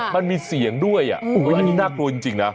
มันมีเสียงด้วยอันนี้น่ากลัวจริงนะ